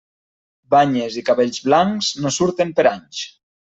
Banyes i cabells blancs, no surten per anys.